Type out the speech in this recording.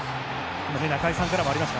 ここで中居さんからもありました